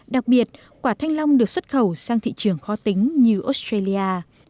đặc biệt quả thanh long được xuất khẩu sang thị trường khó tính như australia